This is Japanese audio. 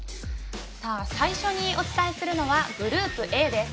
最初にお伝えするのはグループＡです。